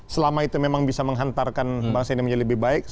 selama itu memang bisa menghantarkan bangsa ini menjadi lebih baik